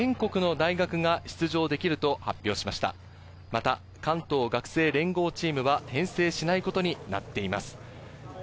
また関東学生連合チームは編成しないことになっています。